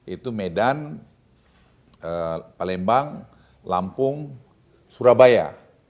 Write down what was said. itu medan palembang lampung surabaya